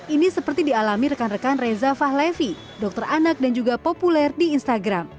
ini seperti dialami rekan rekan reza fahlevi dokter anak dan juga populer di instagram